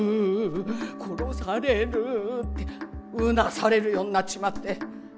殺される」ってうなされるようになっちまって。